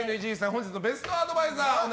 本日のベストアドバイザー